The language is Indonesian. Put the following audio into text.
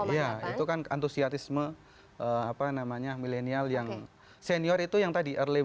dua puluh satu iya itu kan antusiasme milenial yang senior itu yang tadi early milenial